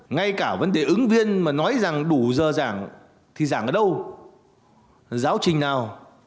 ngay cả vấn đề ứng viên mà nói rằng đủ giờ giảng thì giảng ở đâu giáo trình nào